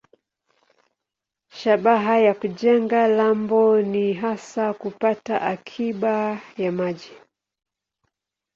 Shabaha ya kujenga lambo ni hasa kupata akiba ya maji.